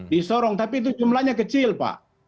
di sorong tapi itu jumlahnya kecil pak